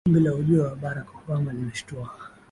Vumbi la ujio wa Barack Obama limeshatua